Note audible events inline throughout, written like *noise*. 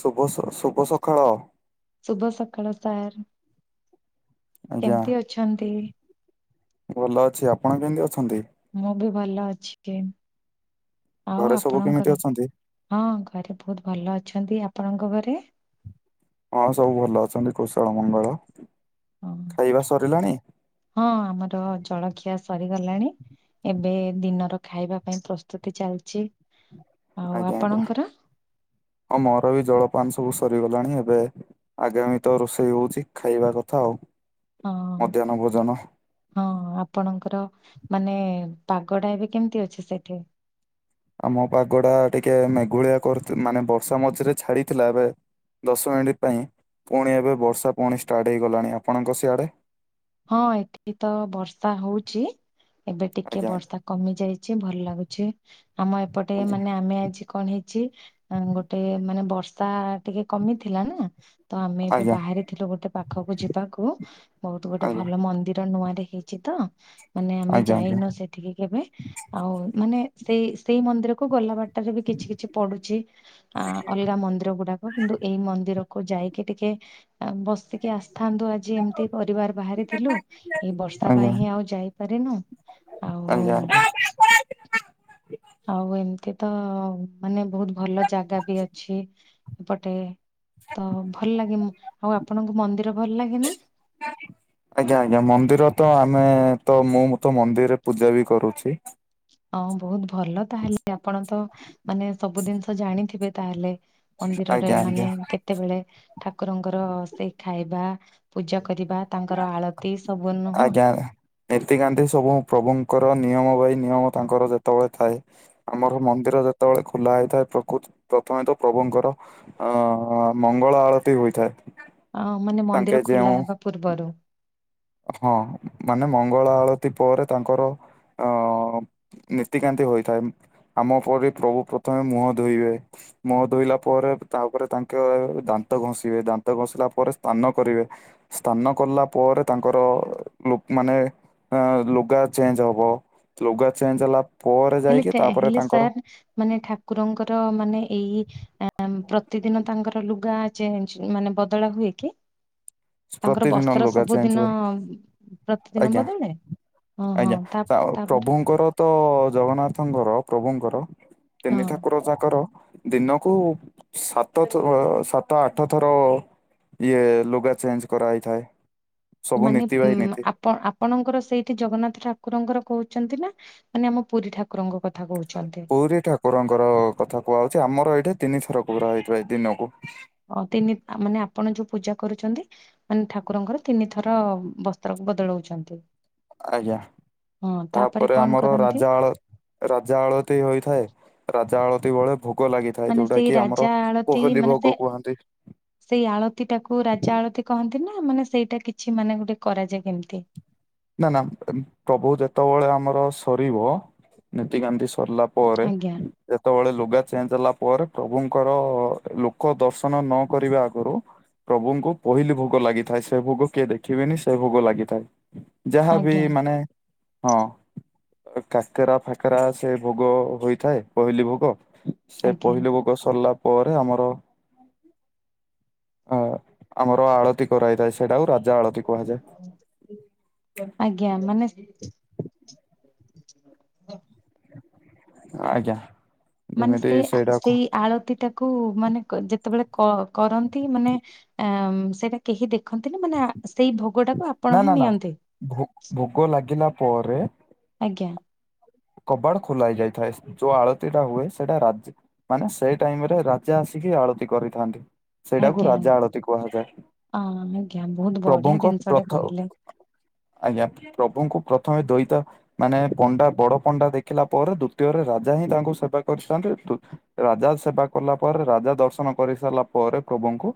ଶୁଭ ସ ଶୁଭ ସକାଳ। ଶୁଭ ସକାଳ ସାର୍ ଆଜ୍ଞା କେମ୍ତି ଅଛନ୍ତି? ଭଲ ଅଛି। ଆପଣ କେମ୍ତି ଅଛନ୍ତି? ମୁଁ ବି ଭଲ ଅଛି। କି ଆଉ ଘରେ ସବୁ କେମିତି ଆପଣଙ୍କର ଅଛନ୍ତି? ହଁ ଘରେ ବହୁତ୍ ଭଲ ଅଛନ୍ତି। ଆପଣଙ୍କ ଘରେ? ହଁ ସବୁ ଭଲ ଅଛନ୍ତି କୁଶଳ ମଙ୍ଗଳ। ହଁ ଖାଇବା ସରିଲାଣି? ହଁ ଆମର ଜଳଖିଆ ସରିଗଲାଣି। ଏବେ ଦିନର ଖାଇବା ପାଇଁ ପ୍ରସ୍ତୁତି ଚାଲିଛି। ଆଉ ଆଜ୍ଞା ଆଜ୍ଞା, ଆପଣଙ୍କର? ହଁ ମୋର ବି ଜଳପାନ ସବୁ ସରିଗଲାଣି। ଏବେ ଆଗାମୀ ତ ରୋଷେଇ ହଉଛି ଖାଇବା କଥା ଆଉ। ହଁ ମଧ୍ୟାହ୍ନ ଭୋଜନ ହଁ ଆପଣଙ୍କର ମାନେ ପାଗ ଟା ଏବେ କେମିତି ଅଛି ସେଇଠେ? ଆମ ପାଗ ଟା ଟିକେ ମେଘୁଳିଆ କରି ମାନେ ବର୍ଷା ମଝିରେ ଛାଡିଥିଲା। ଏବେ ଦଶ ମିନିଟ୍ ପାଇଁ ପୁଣି ଏବେ ବର୍ଷା ପୁଣି ଷ୍ଟାର୍ଟ ହେଇଗଲାଣି। ଆପଣଙ୍କ ସିଆଡ଼େ? ହଁ ଏଠି ବି ତ ବର୍ଷା ହଉଛି। ଏବେ ଟିକେ ଆଜ୍ଞା ବର୍ଷା କମି ଯାଇଛି ଭଲ ଲାଗୁଛି। ଆମ ଏପଟେ ଆଜ୍ଞା ମାନେ ଆମେ ଆଜି କଣ ହେଇଛି ଗୋଟେ ମାନେ ବର୍ଷା ଟିକେ କମିଥିଲା ନା ତ ଆମେ ଏବେ ଆଜ୍ଞା ବାହାରି ଥିଲୁ ଗୋଟେ ପାଖକୁ ଯିବାକୁ। ବହୁତ୍ ଗୋଟେ ଆଜ୍ଞା ଭଲ ମନ୍ଦିର ନୂଆରେ ହେଇଛି ତ। ମାନେ ଆମେ ଆଜ୍ଞା ଆଜ୍ଞା ଯାଇନୁ ସେଠିକି କେବେ। ଆଉ ମାନେ ସେଇ ସେଇ ମନ୍ଦିରକୁ ଗଲା ବାଟଟରେ ବି କିଛି କିଛି ପଡୁଛି। ଆ ଅଲଗା ମନ୍ଦିର ଗୁଡାକ କିନ୍ତୁ ଏଇ ମନ୍ଦିରକୁ ଯାଇକି ଟିକେ ବ କେ ଆସିଥାନ୍ତୁ ଆଜି ଏମିତି ପରିବାର ବାହାରିଥିଲୁ ଏଇ ବର୍ଷା ଆଜ୍ଞା ପାଇଁ ହିଁ ଆଉ ଯାଇପାରିନୁ। ଆଉ ଆଜ୍ଞା ଆଉ ଏମିତି ତ ମାନେ ବହୁତ୍ ଭଲ ଜାଗା ବି ଅଛି ଏପଟେ। ତ ଭଲ ଲାଗେ ଆଉ ଆପଣଙ୍କୁ ମନ୍ଦିର ଭଲ ଲାଗେ ନା? *unintelligible* ଆଜ୍ଞା ଆଜ୍ଞା ମନ୍ଦିର ତ ଆମେ ତ ମୁଁ ତ ମନ୍ଦିରରେ ପୂଜା ବି କରୁଛି। ହଁ ବହୁତ୍ ଭଲ ତାହେଲେ ଆପଣ ତ ମାନେ ସବୁ ଜିନିଷ ଜାଣିଥିବେ ତାହେଲେ? ମନ୍ଦିରରେ ଆଜ୍ଞା ମାନେ ଆଜ୍ଞା କେତେ କେତେବେଳେ ଠାକୁରଙ୍କର ସେଇ ଖାଇବା ପୂଜା କରିବା ତାଙ୍କର ଆଳତି ସବୁ ନୁହଁ ଆଜ୍ଞା। ନୀତିକାନ୍ଧି ସବୁ ପ୍ରଭୁଙ୍କର ନିୟମ ବାଇ ନିୟମ ତାଙ୍କର ଯେତେବେଳେ ଥାଏ ଆମର ମନ୍ଦିର ଯେତେବେଳେ ଖୋଲା ହେଇଥାଏ ପ୍ରକୃ ପ୍ରଥମେ ତ ପ୍ରଭୁଙ୍କର ଅ ମଙ୍ଗଳ ଆଳତି ହୋଇଥାଏ। ଅ ମାନେ ତାଙ୍କେ ମନ୍ଦିର ଯେଉଁ ଖୋଲା ହେବା ପୂର୍ବରୁ ହଁ ମାନେ ମଙ୍ଗଳା ଆଳତି ପରେ ତାଙ୍କର ଅ ନୀତିକାନ୍ତି ହୋଇଥାଏ ଆମ ପରି ପ୍ରଭୁ ପ୍ରଥମେ ମୁହଁ ଧୋଇବେ। ମୁହ ଧୋଇଲା ପରେ ତାପରେ ତାଙ୍କେ ଦାନ୍ତ ଘଷିବେ ଦାନ୍ତ ଘଷିଲା ପରେ ସ୍ନାନ କରିବେ। ସ୍ଥାନ କଲା ପରେ ତାଙ୍କର ଲକ୍ ମାନେ ଲୁଗା ଚେଞ୍ଜ ହେବ ଲୁଗା ଚେଞ୍ଜ ହେଲା ପରେ ଯାଇକି ହେଲେ ତାପରେ ହେଲେ ତାଙ୍କର ସାର୍ ମାନେ ଠାକୁରଙ୍କର ମାନେ ଏଇ ଆ ପ୍ରତିଦିନ ତାଙ୍କର ଲୁଗା ଚେ୍ଞ୍ଜ ମାନେ ବଦଳା ହୁଏ କି? ତାଙ୍କର ପ୍ରତିଦିନ ବସ୍ତ୍ର ଲୁଗା ଚେଞ୍ଜ ସବୁଦିନ ହୁଏ ପ୍ରତିଦିନ ଆଜ୍ଞା ବଦଳେ ହଁ ହଁ ଆଜ୍ଞା ତା ତାପରେ ପ୍ରଭୁଙ୍କର ତ ଜଗନ୍ନାଥଙ୍କର ପ୍ରଭୁଙ୍କର ହଁ ତିନି ଠାକୁର ଯାକର ଦିନକୁ ସାତଥ ସାତ ଆଠ ଥର ଇଏ ଲୁଗା ଚେଞ୍ଜ କରାହଇଥାଏ ସବୁ ମାନେ ନୀତି ଉ ବାହି ନୀତି ଆପଣଙ୍କର ସେଇଠି ଜଗନ୍ନାଥ ଠାକୁରଙ୍କର କହୁଛନ୍ତି ନା ମାନେ ଆମ ପୁରୀ ଠାକୁର କୁକୁରଙ୍କ କଥା କହୁଛି। କୁକୁରଙ୍କର କଥା କୁହାହାଉଉଛି ଆମର ଏଇଠି ତିନି ଥର କୁକୁା ହେଇଥିବା ଏଇ ଦିନକୁ। ଅ ତିନି ମାନେ ଆପଣ ଯୋଉ ପୂଜା କରୁଛନ୍ତି। ମାନେ ଠାକୁରଙ୍କର ତିନିଥର ବସ୍ତ୍ରକୁ ବଦଳଉଛନ୍ତି। ଆଜ୍ଞା ହଁ ତାପରେ କଣ ଆମର କରନ୍ତି ରାଜା ଆଳ। ରାଜା ଆଳତି ହୋଇଥାଏ ରାଜା ଆଳତିୀ ବେଳେ ଭ। ଭୋଗ ଲାଗିଥାଏ ମାନେ ଯୋଉଟା ସେଇ କି ଆମର ରାଜା ଆଳତି ପହଲି ମାନେ ସେ ଭୋଗ କୁହନ୍ତି। ସେଇ ଆଳତି ଟାକୁ ରାଜା ଆଳତିୀ କହନ୍ତି ନା ମାନେ ସେଇଟା କିଛି ମାନେ ଗୋଟେ କରାଯାଏ କେମିତି। ନା ନା ପ୍ରଭୁ ଯେତେବେଳେ ଆମର ସରିବ ନୀତି ଗାନ୍ଧି ସରିଲା। ପରେ। ଆଜ୍ଞା ଯେତେବେଳେ ଲୁଗା ଚେଞ୍ଜ ହେଲା ପରେ ପ୍ରଭୁଙ୍କର ଲୋକ ଦର୍ଶନ ନକ ଆଗରୁ। ପ୍ରଭୁଙ୍କୁ ପହିଲି ଭୋଗ ଲାଗିଥାଏ ସେ ଭୋଗ କିଏ ଦେଖିବେନି ସେ ଭୋଗ ଲାଗିଥାଏ। ଯାହା ବି ଆଜ୍ଞା ମାନେ ହଁ। କାକେରା ଫାକେରା ସେ ଭୋଗ ହୋଇଥାଏ ପହିଲି ଭୋଗ ସେ ଆଜ୍ଞା ପହିଲି ଭୋଗ। ସରିଲା ପରେ ଆମର ଆମର ଆଳତି। କରାଇଥାଏ ସେଇଟାକୁଉରାଜା ଆଳତି କୁହାଯାଏ। ଆଜ୍ଞା ମାନେ। ହଁ। ଆଜ୍ଞା। ମାନେ ଯେମିତି ସେ ସେଇଟାକୁ ସେଇ ଆଳତି ଟାକୁ ମାନେ ଯେତେବେଳେ କରନ୍ତି ମାନେ। ଆ ସେଇଟା କେହି ଦେଖନ୍ତି ନା ମାନେ ସେଇ ଭ। ନା ନା ନା ଭ ଭୋଗ ଲାଗିଲା ପରେ। ଆଜ୍ଞା। କବାଡ ଖୋଲ ହେ ଯାଇଥାଏ ଯୋଉ ଆଳତି ଟା ହୁଏ ସେଇଟା ରାଜ। ମାନେ ସେଇ ଟାଇମ ରେ ରାଜା ଆସିକି ଆଳତି କରିଥାନ୍ତି। ସେଇଟାକୁ ଆଜ୍ଞା ରାଜା ଆଳତିୀ କୁହାଯାଏ ଅ, ଆଜ୍ଞା ବହୁତ ବଢିଆ ପ୍ରଭୁଙ୍କ ଜିନିଷଟେ ପଥ। କହିଲେ ଆଜ୍ଞା ପ୍ରଭୁଙ୍କୁ ପ୍ରଥମେ ଦୁଇତା ମାନେ ପଣ୍ଡା ବଡ। ପଣ୍ଡା ଦେଖିଲା ପରେ ଦ୍ଵିତୀୟରେ ରାଜା ହିଁ ତାଙ୍କୁ ସେବା କରିଥାଛନ୍ତି। ରାଜା ସେବା କଲା ପରେ ରାଜା ଦର୍ଶନ କରି ସାରିଲା ପରେ ପ୍ରଭୁଙ୍କୁ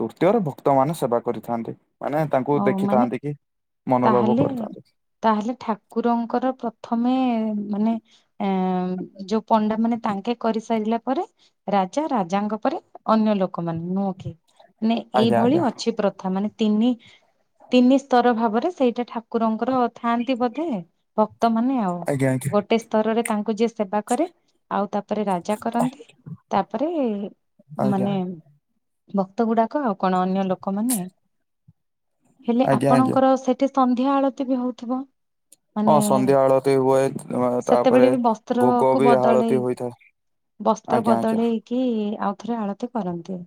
ତୃତୀୟରେ ଭକ୍ତମାନୋନ ସେବା କରିଥାନ୍ତି। ମାନେ ତାଙ୍କୁ ଓ ମାନେ ଦେଖିଥାନ୍ତି କି ମନଲୋଭ ତାହେଲେ କରିଥାନ୍ତି। ତାହେଲେ ଠାକୁରଙ୍କର ପ୍ରଥମେ ମାନେ- ଏ ଯୋଉ ପଣ୍ଡା ମାନେ ତାଙ୍କେ କରିସାରିଲା ପରେ- ରାଜା ରାଜାଙ୍କ ପରେ ଅନ୍ୟ ଲୋକମାନେେ ନୁହଁ କି। ମାନେ ଆଜ୍ଞା ଏଇଭଳି ଆଜ୍ଞା ଅଛି ପ୍ରଥା ମାନେ ତିନି- ତିନି ସ୍ତର ଭାବରେ ସେଇଟା ଠାକୁରଙ୍କର ଥାଆନ୍ତି ବୋଧେ ଭକ୍ତ ମାନ ଆଉ। ଆଜ୍ଞା ଆଜ୍ଞା ଗୋଟେ ସ୍ତରରେ ତାଙ୍କୁ ଯିଏ ସେବା କରେ ଆଉ ତାପରେ ରାଜା କରନ୍ତି। ତାପରେ ଆଜ୍ଞା। ମାନେ ଭକ୍ତ ଗୁଡାକ ଆଉ କଣ ଅନ୍ୟ ଲୋକମାନେ। ହେଲେ ଆଜ୍ଞା ଆଜ୍ଞା ଆପଣଙ୍କର ସେଠି ସନ୍ଧ୍ୟା ଆଳତୀ ବି ହେଉଥିବ। ମାନେ ହଁ ସନ୍ଧ୍ୟା ଆଳତି ହୁଏ ଅ, ତାପରେ ସେତେବେଳେ ବି ଭୋଗ ବସ୍ତ୍ରକୁୁ ବି ଆଳତି ବଦଳେଇ- ହୋଇଥାଏ। ବସ୍ତ୍ର ଆଜ୍ଞା ଆଜ୍ଞା ବଦଳେଇକି ଆଉଥରେ ଆଳତୀ କରନ୍ତି।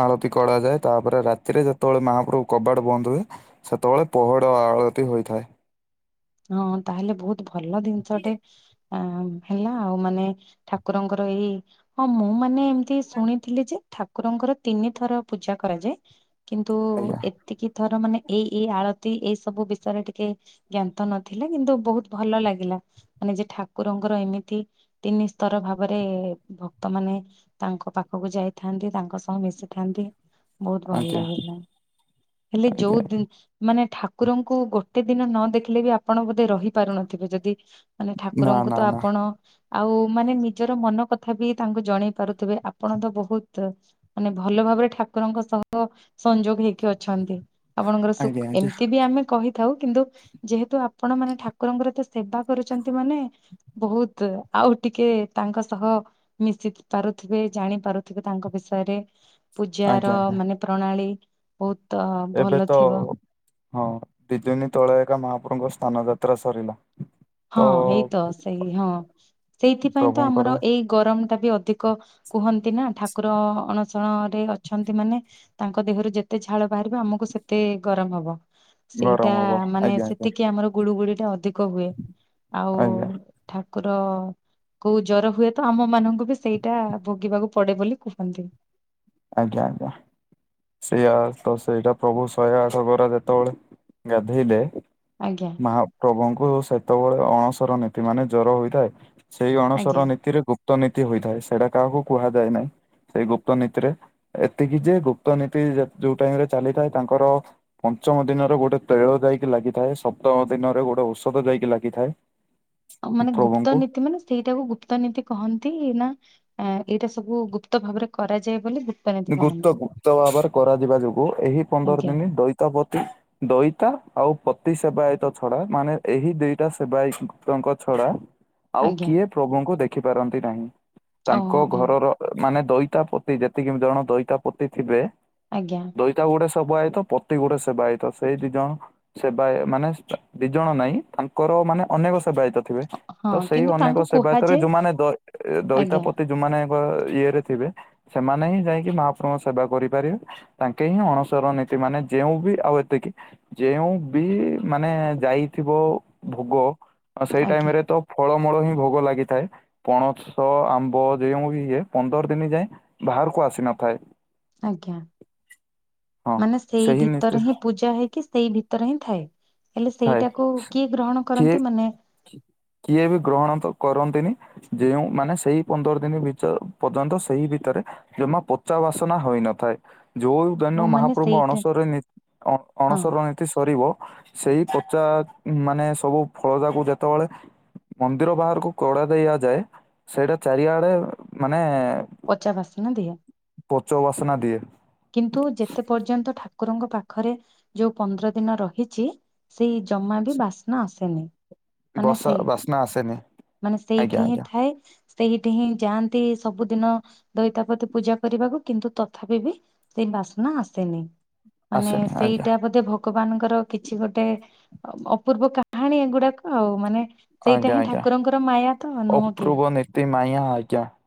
ଆଳତୀ କରାଯାଏ ତାପରେ ରାତିରେ ଯେତେବେଳେ ମହାପ୍ରଭୁ କବାଟ ବନ୍ଦ ହୁଏ- ସେତେବେଳେ ପହଡ ଆଳତୀ ହୋଇଥାଏ। ହଁ ତାହେଲେ ବହୁତ ଭଲ ଜିନିଷଟେ ଆ ହେଲା ଆଉ ମାନେ- ଠାକୁରଙ୍କର ଏଇ- ହଁ ମୁଁ ମାନେ ଏମିତି ଶୁଣିଥିଲି ଯେ ଠାକୁରଙ୍କର ତିନିଥର ପୂଜା କରାଯାଏ। କିନ୍ତୁ ଆଜ୍ଞା ଏତିକି ଥର ମାନେ ଏଇ ଏଇ ଆଳତି ଏଇ ସବୁ ବିଷୟରେ ଟିକେ ଜ୍ଞାନ ତ ନଥିଲା କିନ୍ତୁ ବହୁତ ଭଲ ଲାଗିଲା। ମାନେ ଯେ ଠାକୁରଙ୍କର ଏମିତି ତିନି ସ୍ତର ଭାବରେ ଭକ୍ତ ମାନ- ତାଙ୍କ ପାଖକୁ ଯାଇଥାନ୍ତି ତାଙ୍କ ସହ ମିଶିଥାନ୍ତି ବହୁତ ଭଲ ଆଜ୍ଞା ଲାଗିଲା। ହେଲେ ଯୋଉ ଆଜ୍ଞା ଦିନ ମାନେ ଠାକୁରଙ୍କୁ ଗୋଟେ ଦିନ ନ ଦେଖିଲେ ବି ଆପଣ ବୋଧେ ରହି ପାରୁନଥିବେ ଯଦି ମାନେ ନା ଠାକୁରଙ୍କୁ ନା ତ ନା ଆପଣ ଆଉ ମାନେ ନିଜର ମନ କଥା ବି ତାଙ୍କୁ ଜଣେଇ ପାରୁଥିବେ ଆପଣ ତ ବହୁତ ମାନେ ଭଲ ଭାବରେ ଠାକୁରଙ୍କ ସହ ସଂଯୋଗ ହେଇକି ଅଛନ୍ତି। ଆପଣଙ୍କର ଆଜ୍ଞା ସୁଖ ଆଜ୍ଞା ଏମିତି ବି ଆମେ କହିଥାଉ କିନ୍ତୁ ଯେହେତୁ ଆପଣ ମାନେ ଠାକୁରଙ୍କର ଏତେ ସେବା କରୁଚନ୍ତି ମାନେ ବହୁତ ଆଉ ଟିକେ ତାଙ୍କ ସହ ମିଶିପାରୁଥିବେ ଜାଣି ପାରୁଥିବେ ତାଙ୍କ ବିଷୟରେ। ପୂଜାର ଆଜ୍ଞା ଆଜ୍ଞା ମାନେ ପ୍ରଣାଳୀ ବହୁତ ଏବେ ଭଲ ତ ଥିବ। ହଁ ଦି ଦିନୀ ତଳେ ଏକା ମହାପ୍ରଭୁଙ୍କ ସ୍ନାନ ଯାତ୍ରା ସରିଲା। ତ ହଁ ଏଇତ ସେଇ ହଁ ସେଇଥିପାଇଁ ତ ପ୍ରଭୁଙ୍କର ଆମର ଏଇ ଗରମ ଟା ବି ଅଧିକ କୁହନ୍ତି ନା ଠାକୁର ଅଣ ସରେ ଅଛନ୍ତି ମାନେ ତାଙ୍କ ଦେହରୁ ଯେତେ ଝାଳ ବାହାରିବ ଆମକୁ ସେତେ ଗରମ ହବ। ଗରମ ସେଇଟା ହବ ମାନେ ଆଜ୍ଞା ଆଜ୍ଞା ସେତିକି ଆମର ଗୁଳୁଗୁଳି ଟା ଅଧିକ ହୁଏ। ଆଉ ଆଜ୍ଞା ଠାକୁର କୋଉ ଜ୍ବର ହୁଏ ତ ଆମ ମାନଙ୍କୁ ବି ସେଇଟା ଭୋଗିବାକୁ ପଡେ ବୋଲି କୁହନ୍ତି। ଆଜ୍ଞା ଆଜ୍ଞା। ସେଇଆତ ସେଇଟା ପ୍ରଭୁ ଶହେ ଆଠ ଗରା ଯେତେବେଳେ ଗାଧୋଇଲେ ଆଜ୍ଞା। ମହାପ୍ରଭୁଙ୍କୁ ସେତେବେଳେ ଅଣସର ନୀତି ମାନେ ଜ୍ଵର ହୋଇଥାଏ ସେଇ ଆଜ୍ଞା ଅଣସର ନୀତିରେ ଗୁ ଗୁପ୍ତ ନୀତି ହୋଇଥାଏ ସେଇଟା କାହାକୁ କୁହାଯାଏ ନାହିଁ ସେଇ ଗୁପ୍ତ ନୀତିରେ ଏତିକି ଯେ ଗୁପ୍ତ ନୀତି ଯୋଉ ଟାଇମ ରେ ଚାଲିଥାଏ ତାଙ୍କର ପଞ୍ଚମ ଦିନରେ ଗୋଟେ ତୈଳ ଯାଇକି ଲାଗିଥାଏ ସପ୍ତମ ଦିନରେ ଗୋଟେ ଔଷଧ ଯାଇକି ଲାଗିଥାଏ। *unintelligible* ଁ ଆ ମାନେ ଗୁପ୍ତ ନୀତି ମାନେ ସେଇଟାକୁ ଗୁପ୍ତ ନିତୀ କହନ୍ତି ନା ଏଇଟା ସବୁ ଗୁପ୍ତ ଭାବରେ କରାଯାଏ ବୋଲି ଗୁପ୍ତ ନୀତି ଗୁପ୍ତ କହନ୍ତି ଗୁପ୍ତ ଭାବରେ କରାଯିବା ଯୋଗୁ ଏହି ପନ୍ଦର ଆଜ୍ଞା। ଦିନି ଦଇତାପତି ଦଇତା ଆଉ ପତି ସେବାୟତ ଛଡା ମାନେ ଏହି ଦିଇଟା ସେବାୟତଙ୍କ ଛଡା ହ। *unintelligible* ଆଉ ଆଜ୍ଞା କିଏ ପ୍ରଭୁଙ୍କୁ ଦେଖିପାରନ୍ତି ନାହିଁ ଅ ତାଙ୍କ ଉଁ ଘରର ମାନେ ଦଇତା ପତି ଯେ ଯେତିକି ଜଣ ଦଇତା ପତି ଥିବେ। ଆଜ୍ଞା। ଦଇତା ଗୋଟେ ସବଆଏତ ପତି ଗୋଟେ ସେବାଇତ ସେଇ ଦି ଜଣ ସେବାୟ ମାନେ ଦି ଜଣ ନାଇଁ ତାଙ୍କର ମାନେ ଅନେକ ସେବାୟତ। ଥିବେ ହଁ ସେଇ କିନ୍ତୁ ଅନେକ ତାଙ୍କୁ ସେବାୟତରେ କୁହାଯାଏ ଯୋଉମାନେ ଦଇ ଆଜ୍ଞା ଦଇତାପତି ଯୋଉମାନେଙ୍କ ଇଏ ରେ ଥିବେ ସେମାନେ ହିଁ ଯାଇକି ମହାପ୍ରଭୁଙ୍କ ସେବା କରିପାରିବେ। ତାଙ୍କେ ହିଁ ଅଣସର ନୀତି ମାନେ ଯେଉଁ ବିି ଆଉ ଏତିକି ଯେଉଁ ବି ମାନେ ଯାଇଥିବ ଭୋଗ ସେଇ ଆଜ୍ଞା ଟାଇମ ରେ ତ ଫଳମୂଳ ହିଁ ଭୋଗ ଲାଗିଥାଏ ପଣସ ଆମ୍ବ ଯେଉଁ ବି ଇଏ ପନ୍ଦର ଦିନ ଯାଏଁ ଭାହାରକୁ ଆସି ନଥାଏ। ଆଜ୍ଞା ହଁ ମାନେ ସେଇ ସେହି ନୀତି ଭିତରେ ହିଁ ପୂଜା ହେଇକି ସେଇ ଭିତ ତରେ ହିଁ ଥାଏ ହେଲେ ଥାଏ ସେଇଟାକୁ କିଏ ଗ୍ରହଣ କିଏ କରନ୍ତି ମାନେ କିଏ ବି ଗ୍ରହଣ ତ କରନ୍ତିନି ଯେଉଁ ମାନେ ସେଇ ପନ୍ଦର ଦିନ ଭିତର ପର୍ଯ୍ୟନ୍ତ ସେଇ ଭିତରେ ଜମା ପଚା ବାସନା ହୋଇନଥାଏ ଯୋଉ ଯଉ ମୁଁ ଦିନ ମାନେ ମହାପ୍ରଭୁଙ୍କ ସେଇଟା ଅଣସର ନୀତି ଅଣ ହଁ ଅଣସର ନୀତି ସରିବ ସେଇ ପଚା ମାନେ ସବୁ ଫଳ ଯାକୁ ଯେତେବେଳେ ମନ୍ଦିର ବାହାରକୁ କଡା ଦିଆଯାଏ ସେଇଟା ଚାରିଆଡେ ମାନେ ପଚା ବାସ୍ନା ଦିଏ। ପଚ ବାସ୍ନା ଦିଏ। କିନ୍ତୁ ଯେତେ ପର୍ଯ୍ୟନ୍ତ ଠାକୁରଙ୍କ ପାଖରେ ଯୋଉ ପନ୍ଦର ଦିନ ରହିଛି ସେଇ ଜମା ବି ବାସ୍ନା ଆସେନି। ମାନେ ବସା ସେଇ ବାସ୍ନା ଆସେନି ମାନେ ଆଜ୍ଞା ସେଇଠି ହିଁ ଆଜ୍ଞା ଥାଏ ସେଇଠି ହିଁ ଯାଆନ୍ତି ସବୁଦିନ ଦଇତାପତି ପୂଜା କରିବାକୁ କିନ୍ତୁ ତଥାପି ବି ସେଇ ବାସ୍ନା ଆସେନି ମାନେ ଆସେନି ଆଜ୍ଞା ସେଇଟା ବୋଧେ ଭ ଗବାନଙ୍କର କିଛି ଗୋଟେ ଅପୂର୍ବ କାହାଣୀ ଏଗୁଡାକ ଆଉ ମାନେ ସେଇଟା ଆଜ୍ଞା ହିଁ ଆଜ୍ଞା ଠାକୁରଙ୍କର ମାୟା ତ ନୁହଁ କି? *unintelligible*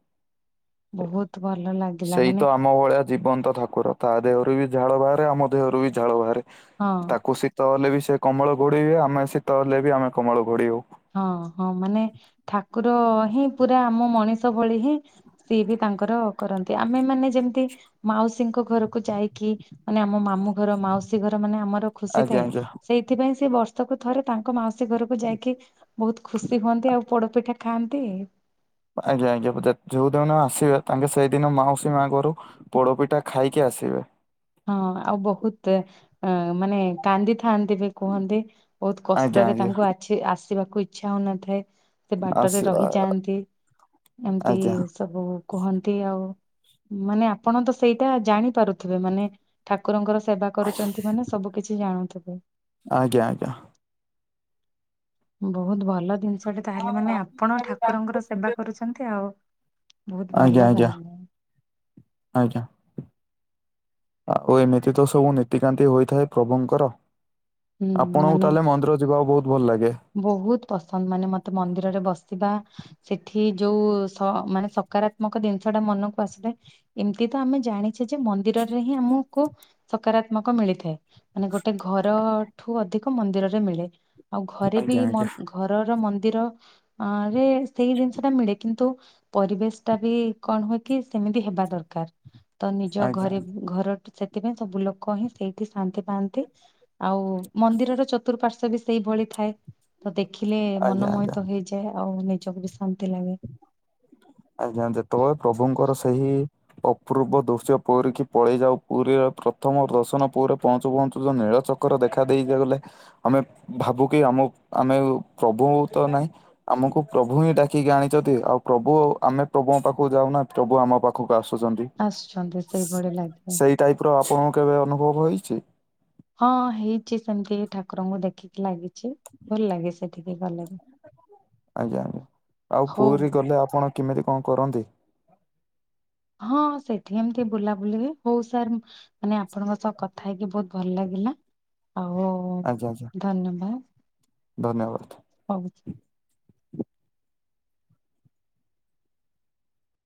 ବହୁତ ଭଲ ଲାଗିଲା ସେଇ ମାନେ ତ ଆମ ଭଳିଆ ଜୀବନ୍ତ ଠାକୁର। ତା ଦେହରୁ ବି ଝାଳ ବାହାରେ ଆମ ଦେହରୁ ବି ଝାଳ ବାହାରେ ହଁ ତାକୁ ସି ଶୀତ ହେଲେ ବି ସେ କମଳ ଘୋଡ଼େଇବେ ଆମେ ଶୀତ ହେଲେ ବି ଆମେ କମଳ ଘୋଡ଼େଇ ହଉ ହଁ ହଁ ମାନେ ଠାକୁର ହିଁ ପୁରା ଆମ ମଣିଷ ଭଳି ହିଁ ସିଏ ବି ତାଙ୍କର କରନ୍ତି ଆମେ ମାନେ ଯେମିତି ମାଉସୀଙ୍କ ଘରକୁ ଯାଇକି ମାନେ ଆମ ମାମୁଁ ଘର ମାଉସୀ ଘର ମାନେ ଆମର ଖୁସି ଆଜ୍ଞା ଥାଏ ଆଜ୍ଞା ସେଇଥିପାଇଁ ସେ ବର୍ଷକୁ ଥରେ ତାଙ୍କ ମାଉସୀ ଘରକୁ ଯାଇକି ବହୁତ ଖୁସି ହୁଅନ୍ତି ଆଉ ପୋଡପିଠା ଖାଆନ୍ତି। ଆଜ୍ଞା ଆଜ୍ଞା ଯୋଉଦିନ ଆସିବେ ତାଙ୍କେ ସେଇଦିନ ମାଉସୀ ମାଆ ଘରୁ ପୋଡପିଠା ଖାଇକି ଆସିବେ। ହଁ ଆଉ ବହୁତ ଅ ମାନେ କାନ୍ଦି ଥାନ୍ତି ବି କୁହନ୍ତି ବହୁତ ଆଜ୍ଞା କଷ୍ଟରେ ଆଜ୍ଞା ତାଙ୍କୁ ଆ ଆସିବାକୁ ଇଚ୍ଛା ହଉନଥାଏ ସେ ବାଟରେ ଆସି ରହିଯାଆନ୍ତି ଏମିତି ଆଜ୍ଞା ସବୁ କୁହନ୍ତି ଆଉ ମାନେ ଆପଣ ତ ସେଇଟା ଜାଣିପାରୁଥିବେ ମାନେ ଠାକୁରଙ୍କର ସେବା କରୁଛନ୍ତି ମାନେ ସବୁ କିଛି ଜାଣୁଥିବେ। ଆଜ୍ଞା ଆଜ୍ଞା। ବହୁତ ଭଲ ଜିନିଷଟା ତାହେଲେ ମାନେ ଆପଣ ଠାକୁରଙ୍କର ସେବା କରୁଛନ୍ତି ଆଉ। ବହୁତ ଆଜ୍ଞା ଭଲ ଆଜ୍ଞା ତାହେଲେ ଆଜ୍ଞା। ଆଉ ଏମିତି ତ ସବୁ ନୀତିକାନ୍ତି ହୋଇଥାଏ ପ୍ରଭୁଙ୍କର। ହୁଁ ଆପଣଙ୍କୁ ମାନେ ତାହେଲେ ମନ୍ଦିର ଯିବାକୁ ବହୁତ ଭଲ ଲାଗେ? ବହୁତ ପସନ୍ଦ ମାନେ ମତେ ମନ୍ଦିରରେ ବସିବା ସେଠି ଯୋଉ ସ ମାନେ ସକାରାତ୍ମକ ଜିନିଷ ଟା ମନକୁ ଆସୁଥାଏ ଏମିତି ତ ଆମେ ଜାଣିଛେ ଯେ ମନ୍ଦିରରେ ହିଁ ଆମକୁ ସକାରାତ୍ମକ ମିଳିଥାଏ ମାନେ ଗୋଟେ ଘରଠୁ ଅଧିକ ମନ୍ଦିରରେ ମିଳେ ଆଉ ଘରେ ବି ଆଜ୍ଞା ମ ଆଜ୍ଞା ଘରର ମନ୍ଦିରରେ ସେଇ ଜିନିଷ ଟା ମିଳେ କିନ୍ତୁ ପରିବେଶ ଟା ବି କଣ ହୁଏ କି ସେମିତି ହେବା ଦରକାର ତ ନିଜ ଆଜ୍ଞା ଘରେ ଘର ସେଥିପାଇଁ ସବୁ ଲୋକ ହିଁ ସେଇଠି ଶାନ୍ତି ପାଆନ୍ତି ଆଉ ମନ୍ଦିରର ଚତୁଃପାର୍ଶ୍ଵ ବି ସେଇଭଳି ଥାଏ, ତ ଦେଖିଲେ ଆଜ୍ଞା ମନ ଆଜ୍ଞା। ମୋହିତ ହେଇ ଯାଏ, ଆଉ ନିଜକୁ ବି ଶାନ୍ତି ଲାଗେ। ଆଜ୍ଞା, ଯେତବଳେ ପ୍ରଭୁଙ୍କର ସେହି ଅପୂର୍ବ ଦୃଶ୍ୟ ପୁରୀ କି ପଳେଇଯାଉ ପୁରୀର ପ୍ରଥମ ଦର୍ଶନ ପୁରୀରେ ପହଞ୍ଚୁ-ପହଞ୍ଚୁ ଯେ ନୀଳଚ କ୍ର ଙ୍କର ଦେଖା ଦେଇ ଗଲେ ଆମେ ଭାବୁ କି ଆମ ଆମେ ପ୍ରଭୁ ତ ନାହିଁ। ଆମକୁ ପ୍ରଭୁ ହିଁ ଡାକିକି ଆଣିଚତି, ଆଉ ପ୍ରଭୁ ଆମେ ପ୍ରଭୁଙ୍କ ପାଖକୁ ଯାଉନା ପ୍ରଭୁ ଆମ ପା ଖକୁ ଆସୁଚନ୍ତି, ଆସୁଛନ୍ତି ସେଇଭଳି ଲାଗେ। ସେଇ ଟାଇପ୍ ର ଆପଣଙ୍କୁ କେବେ ଅନୁଭବ ହେଇଚି? ହଁ ହେଇଚି ସେମ୍ତି ଠାକୁରଙ୍କୁ ଦେଖିକି ଲାଗିଚି। ଭଲ୍ ଲାଗେ ସେଠିକି ଗଲେ। ଆଜ୍ଞା, ଆଉ ହଉ ପୁରୀ ଗଲେ ଆପଣ କେମିତି କଣ କରନ୍ତି? ହଁ ସେଠି ଏମ୍ତି ବୁଲାବୁଲି ହୁଏ, ହଉ ସାର୍ ମାନେ ଆପଣଙ୍କ ସହ କଥା ହେଇକି ବହୁତ୍ ଭଲ୍ ଲାଗିଲା, ଆଉ ଆଚ୍ଛା-ଆଚ୍ଛା। ଧନ୍ୟବାଦ୍। ଧନ୍ୟବାଦ୍। *unintelligible*